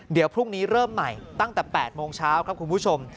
เดี๋ยวพรุ่งนี้เริ่มใหม่ตั้งแต่๘โมงเช้าครับคุณผู้ชม